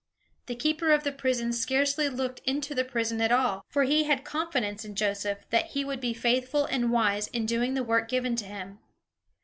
The keeper of the prison scarcely looked into the prison at all; for he had confidence in Joseph, that he would be faithful and wise in doing the work given to him.